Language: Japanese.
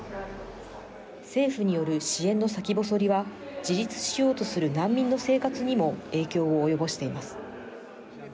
政府による支援の先細は自立しようとする難民の生活にも影響を及ぼしています。